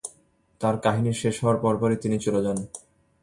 তার কাহিনী শেষ হওয়ার পরপরই তিনি চলে যান।